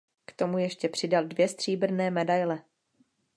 K tomu ještě přidal dvě stříbrné medaile.